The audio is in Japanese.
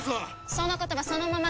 その言葉そのまま返すわ。